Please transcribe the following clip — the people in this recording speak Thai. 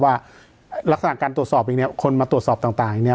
ว่าลักษณะการตรวจสอบเองเนี่ยคนมาตรวจสอบต่างเนี่ย